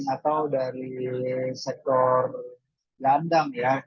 atau dari sektor gelandang ya